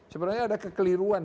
sebenarnya ada kekeliruan